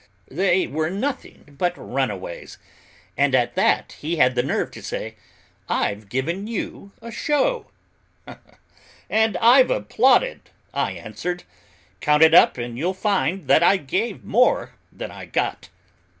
They were nothing but runaways. And at that he had the nerve to say, 'I've given you a show.' 'And I've applauded,' I answered; 'count it up and you'll find that I gave more than I got!